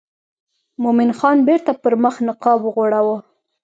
مومن خان بیرته پر مخ نقاب وغوړاوه.